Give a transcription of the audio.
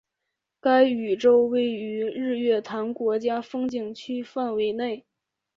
该庙宇位于日月潭国家风景区范围内。